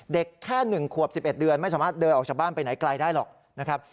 เด็กแค่๑ขวบ๑๑เดือนไม่สามารถเดินออกจากบ้านไปไหนไกลได้หรอกนะครับ